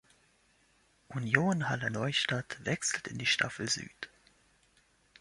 Union Halle-Neustadt wechselt in die Staffel Süd.